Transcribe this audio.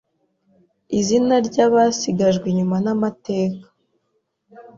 Izina ry’abasigajwe inyuma n’amateka